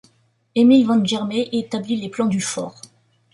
Émile Wangermée établit les plans du fort.